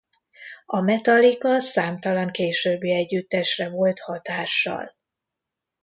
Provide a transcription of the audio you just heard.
A Metallica számtalan későbbi együttesre volt hatással.